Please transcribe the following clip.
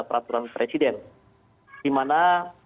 peraturan presiden dimana